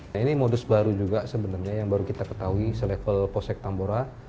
nah ini modus baru juga sebenernya yang baru kita ketahui selevel kosek tambora